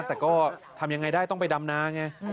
แต่ก็ทำยังไงได้ต้องไปดำนาไง